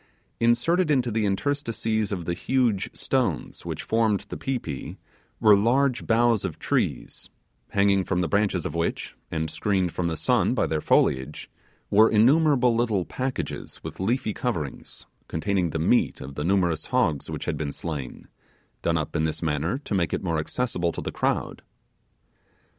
Inserted into the interstices of the huge stones which formed the pi pi were large boughs of trees; hanging from the branches of which, and screened from the sun by their foliage, were innumerable little packages with leafy coverings, containing the meat of the numerous hogs which had been slain, done up in this manner to make it more accessible to the crowd.